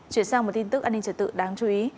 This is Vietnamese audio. chuyển sang một tin tức an ninh trật tự đáng chú ý